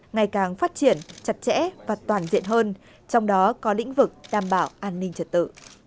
ngày càng phát triển chặt chẽ và toàn diện hơn trong đó có lĩnh vực đảm bảo an ninh trật tự